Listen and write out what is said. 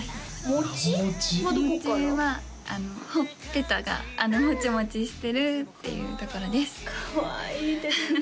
もちはほっぺたがもちもちしてるっていうところですかわいいですね